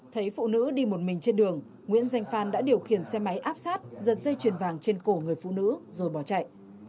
thấy phụ nữ đi một mình trên đường nguyễn danh phan đã điều khiển xe máy áp sát giật dây chuyền vàng trên cổ người phụ nữ rồi bỏ chạy